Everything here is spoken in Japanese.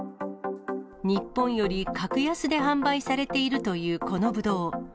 日本より格安で販売されているというこのぶどう。